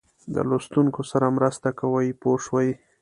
د لوستونکي سره مرسته کوي پوه شوې!.